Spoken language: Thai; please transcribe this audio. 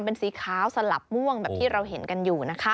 เป็นสีขาวสลับม่วงแบบที่เราเห็นกันอยู่นะคะ